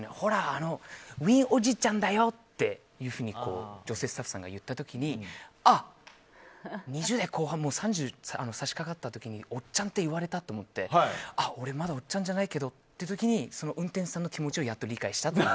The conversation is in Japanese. あのウィンおじちゃんだよっていうふうに女性スタッフさんが言った時にあ、２０代後半もう３０に差し掛かった時におっちゃんって言われたと思ってあ、俺まだおっちゃんじゃないけどってその時にその運転手さんの気持ちをやっと理解したっていう。